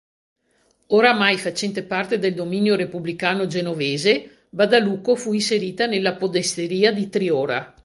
Oramai facente parte del dominio repubblicano genovese Badalucco fu inserita nella podesteria di Triora.